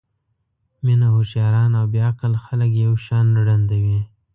مینه هوښیاران او بې عقله خلک یو شان ړندوي.